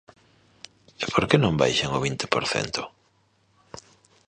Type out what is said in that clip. ¿E por que non baixan o vinte por cento?